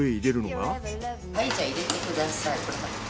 はいじゃあ入れてください。